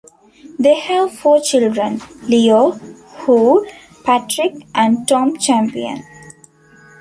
They have four children: Leo, Hugh, Patrick and Tom Champion.